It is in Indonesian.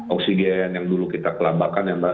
oksigen yang dulu kita kelabakan ya mbak